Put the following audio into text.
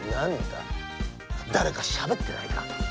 だれかしゃべってないか？